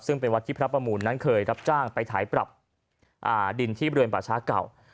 ซึ่งเป็นวัดที่พระประมูลนั้นเคยรับจ้างไปถ่ายปรับดินที่บริเวณป่าช้าเก่า